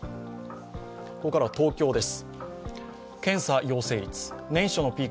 ここからは東京です。